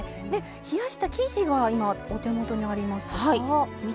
冷やした生地は今、お手元にありますが。